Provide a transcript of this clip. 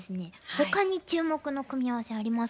ほかに注目の組み合わせありますか？